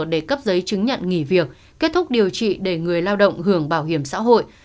để cấp giấy chứng nhận nghỉ việc kết thúc điều trị để người lao động hưởng bảo hiểm xã hội